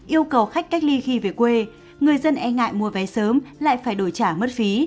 yêu cầu khách cách ly khi về quê người dân e ngại mua vé sớm lại phải đổi trả mất phí